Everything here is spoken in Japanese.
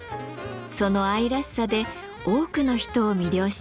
その愛らしさで多くの人を魅了しています。